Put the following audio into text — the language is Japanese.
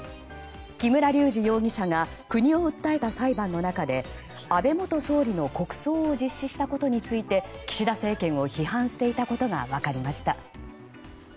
木村隆二容疑者が国を訴えた裁判の中で安倍元総理の国葬を実施したことについて岸田政権を批判していたことが分かりました。